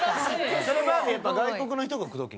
それはやっぱ外国の人が口説きに来るの？